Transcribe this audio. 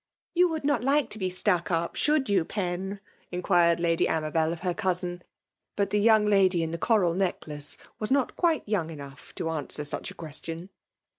'' You would not like to be stuck up, should you. Pen f inquired Lady Amabel of her cou sin; — ^but the young lady in the coral necklace ^^riiot quite young enough to answer such a question.